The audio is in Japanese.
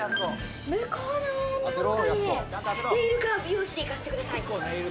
向こうの女の子がね、ネイルか美容師で行かせてください。